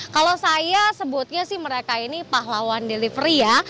kalau saya sebutnya sih mereka ini pahlawan delivery ya